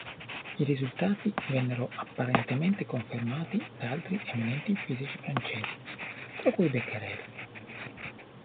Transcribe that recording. I risultati vennero apparentemente confermati da altri eminenti fisici francesi, tra cui Becquerel.